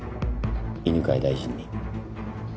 犬飼大臣に。